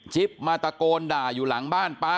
มาตะโกนด่าอยู่หลังบ้านป๊า